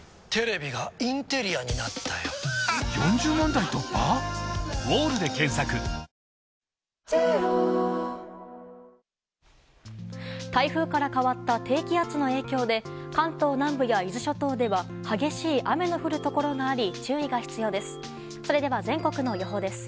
台風から変わった低気圧の影響で関東南部や伊豆諸島では激しい雨の降るところがあり注意が必要です。